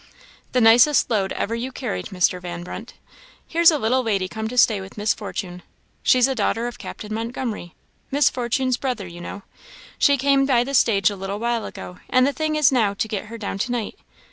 "The nicest load ever you carried, Mr. Van Brunt. Here's a little lady come to stay with Miss Fortune. She's a daughter of Captain Montgomery, Miss Fortune's brother, you know. She came by the stage a little while ago, and the thing is now to get her down to night.